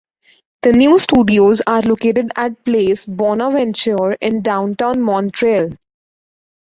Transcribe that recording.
The new studios are located at Place Bonaventure in Downtown Montreal.